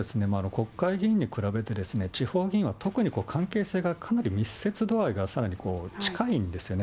国会議員に比べてですね、地方議員は特に関係性がかなり密接度合いが近いんですよね。